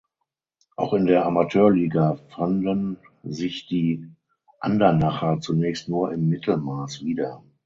Auch in der Amateurliga fanden sich die Andernacher zunächst nur im Mittelmaß wieder.